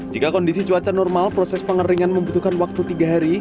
jika kondisi cuaca normal proses pengeringan membutuhkan waktu tiga hari